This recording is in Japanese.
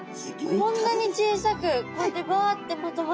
こんなに小さくこうやってバッてまとまって。